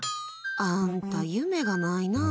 あんた、夢がないな。